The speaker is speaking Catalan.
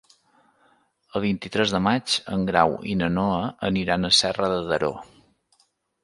El vint-i-tres de maig en Grau i na Noa aniran a Serra de Daró.